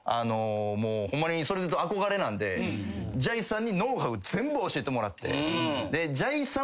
もうホンマにそれでいうと憧れなんでじゃいさんにノウハウ全部教えてもらって。